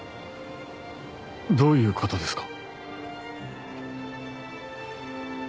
どういうことですか？